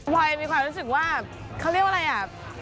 พอยมีความรู้สึกว่าเขาเรียกว่าอะไรอ่ะ